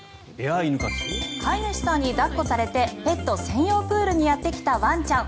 飼い主さんに抱っこされてペット専用プールにやってきたワンちゃん。